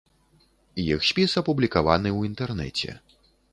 Іх спіс апублікаваны ў інтэрнэце.